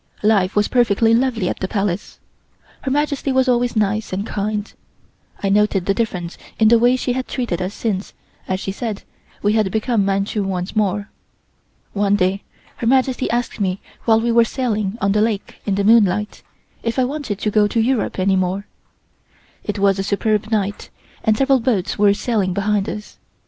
Life was perfectly lovely at the Palace. Her Majesty was always nice and kind. I noticed the difference in the way she had treated us since (as she said) we had become Manchus once more. One day Her Majesty asked me while we were sailing on the lake in the moonlight, if I wanted to go to Europe any more. It was a superb night, and several boats were sailing behind us.